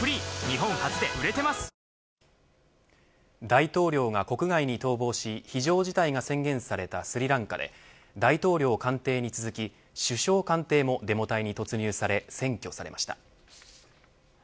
大統領が国外に逃亡し非常事態が宣言されたスリランカで大統領官邸に続き、首相官邸もデモ隊に突入され占拠されました。